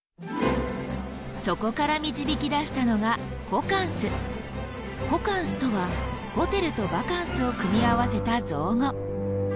そこから導き出したのがホカンスとはホテルとバカンスを組み合わせた造語。